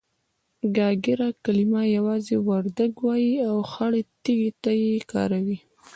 گاگره کلمه يوازې وردگ وايي او خړې تيږې ته يې کاروي.